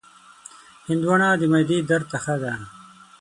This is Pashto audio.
هندوانه د معدې درد ته ښه ده.